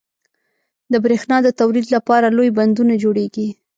• د برېښنا د تولید لپاره لوی بندونه جوړېږي.